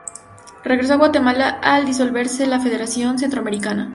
Regresó a Guatemala al disolverse la Federación centroamericana.